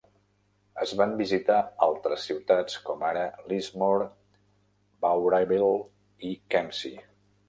Es van visitar altres ciutats, com ara Lismore, Bowraville i Kempsey.